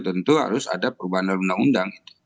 tentu harus ada perubahan dalam undang undang